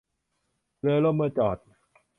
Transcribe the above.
เรือล่มเมื่อจอด